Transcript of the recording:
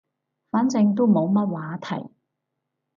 反正都冇乜話題